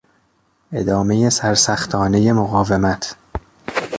ادامهی سرسختانهی مقاومت